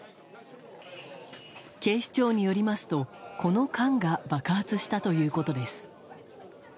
警視庁によりますとこの缶が爆発したということです。